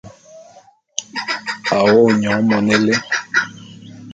A wo’o nyon mone élé.